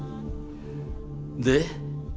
で？